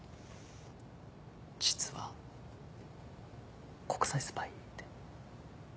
実は国際スパイで。